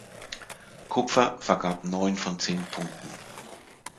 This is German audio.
Kupfer vergab neun von zehn Punkten.